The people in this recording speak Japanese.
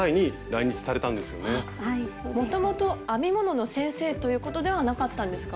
もともと編み物の先生ということではなかったんですか？